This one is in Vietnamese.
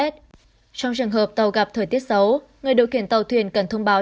trong trường hợp tàu gặp thời tiết xấu người đội kiện tàu thuyền cần thông báo